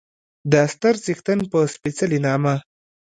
د ستر څښتن په سپېڅلي نامه